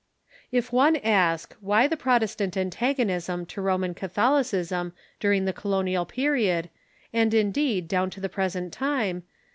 If one ask, Why the Protestant antagonism to Roman Ca tholicism during the Colonial Period, and, indeed, down to the present time?